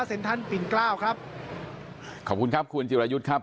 ทันปิ่นเกล้าครับขอบคุณครับคุณจิรายุทธ์ครับ